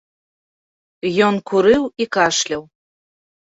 Ён курыў і кашляў.